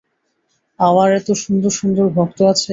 আমার এত সুন্দর সুন্দর ভক্ত আছে!